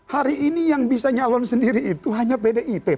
hari ini yang bisa nyalon sendiri itu hanya pdip